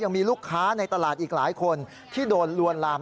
ยังมีลูกค้าในตลาดอีกหลายคนที่โดนลวนลาม